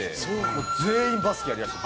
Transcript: もう全員バスケやりだして。